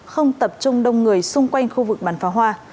không tập trung đông người xung quanh khu vực bắn phá hoa